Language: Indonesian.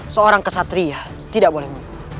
seorang kesatria tidak boleh